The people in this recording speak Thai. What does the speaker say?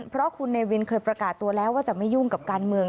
เพราะคุณเนวินเคยประกาศตัวแล้วว่าจะไม่ยุ่งกับการเมือง